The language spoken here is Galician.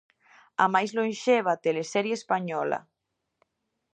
A máis lonxeva teleserie española.